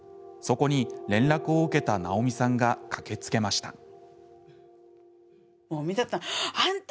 そこに連絡を受けたなおみさんが駆けつけました。